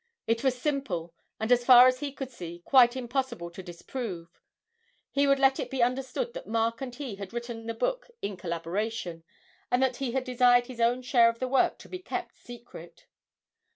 It was simple, and, as far as he could see, quite impossible to disprove he would let it be understood that Mark and he had written the book in collaboration, and that he had desired his own share of the work to be kept secret.